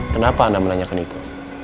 kenapa anda menanyakan itu